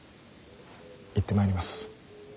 行ってまいります。